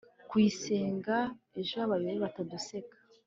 kuyisenga, ejo abayobe bataduseka